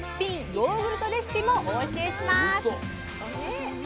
ヨーグルトレシピもお教えします！